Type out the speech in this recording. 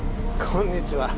こんにちは。